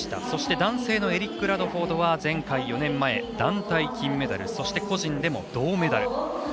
そして、男性のエリック・ラドフォードは前回、４年前団体金メダルそして個人でも銅メダル。